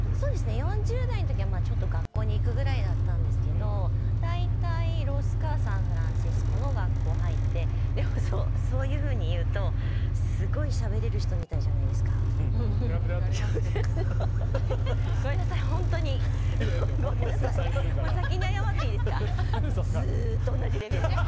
４０代の時は学校に行くぐらいだったんですけど大体ロスかサンフランシスコの学校に入ってでも、そういうふうに言うとすごいしゃべれる人みたいじゃペラペラって。